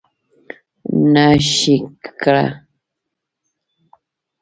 نه ښېګړه